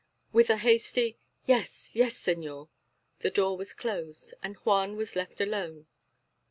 With a hasty "Yes, yes, señor," the door was closed, and Juan was left alone.